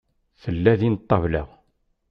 Tella din ṭṭabla.